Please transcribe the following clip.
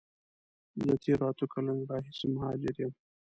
زه د تیرو اته کالونو راهیسی مهاجر یم.